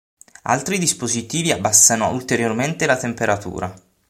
Altri dispositivi abbassano ulteriormente la temperatura.